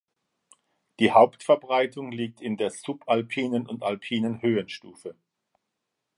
Die Hauptverbreitung liegt in der subalpinen und alpinen Höhenstufe.